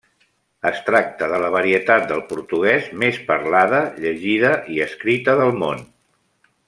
Es tracta de la varietat de portuguès més parlada, llegida i escrita del món.